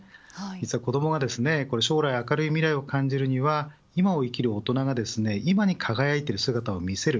子どもが将来明るい未来を感じるには今を生きる大人が今に輝いている姿を見せる